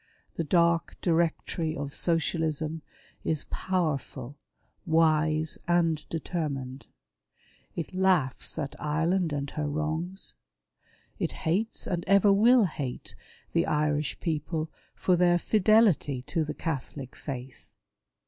The dark directory of Socialism is powerful, wise, and determined. It laughs at Ireland and her wrongs. It hates, and ever will hate, the Irish people for their fidelity to the Catholic faith.